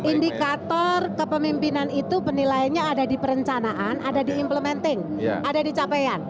indikator kepemimpinan itu penilaiannya ada di perencanaan ada di implementing ada di capaian